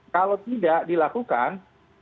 kalau tidak dilakukan